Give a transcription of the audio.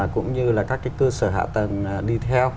cũng như là các cái cơ sở hạ tầng đi theo